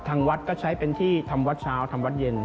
ทางวัดก็ใช้เป็นที่ทำวัดเช้าทำวัดเย็น